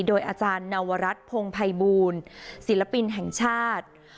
โดยอาจารย์นวรัฐพงภัยบูลศิลปินแห่งชาติ